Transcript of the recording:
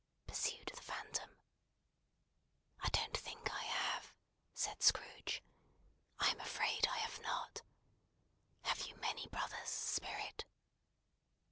pursued the Phantom. "I don't think I have," said Scrooge. "I am afraid I have not. Have you had many brothers, Spirit?"